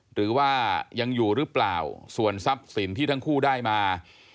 หรือว่ายังอยู่หรือเปล่าส่วนทรัพย์สินที่ทั้งคู่ได้มา